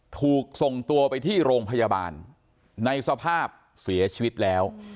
ถูกส่งตัวไปที่โรงพยาบาลในสภาพเสียชีวิตแล้ว